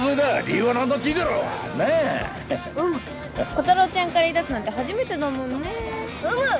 コタローちゃんから言いだすなんて初めてだもんね。うむ！